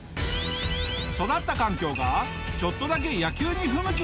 育った環境がちょっとだけ野球に不向きな場所だったんだ。